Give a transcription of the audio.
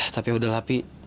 tapi yaudahlah pi